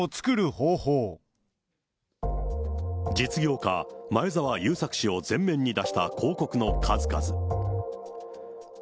実業家、前澤友作氏を全面に出した広告の数々。